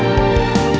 lu udah ngapain